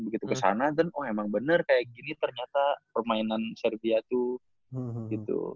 begitu ke sana dan woh emang bener kayak gini ternyata permainan serbia tuh gitu